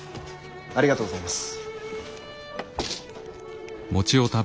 ありがとうございます。